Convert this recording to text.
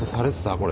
これ。